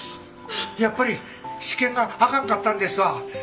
やっぱり試験があかんかったんですわ。